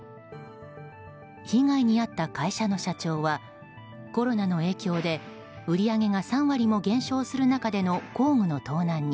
被害に遭った会社の社長はコロナの影響で売り上げが３割も減少する中での工具の盗難に